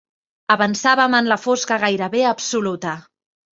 Avançàvem en la fosca gairebé absoluta